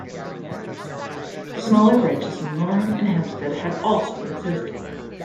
Smaller branches in Laren and Heemstede had also existed.